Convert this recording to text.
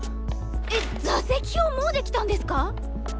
えっ座席表もうできたんですか！？